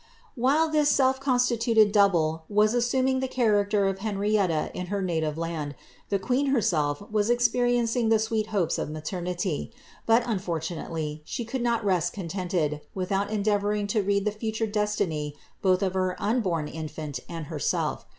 While this self constituted double was assuming the character of Hen rietta in her native land, the queen herself was experiencing the sweet hopes of maternity; but unfortunately, she could not rest contented, without endeavouring to read the future destiny both of her unborn infant and herself.